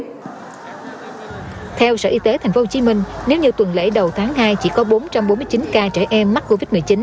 theo sở y tế tp hcm nếu như tuần lễ đầu tháng hai chỉ có bốn trăm bốn mươi chín ca trẻ em mắc covid một mươi chín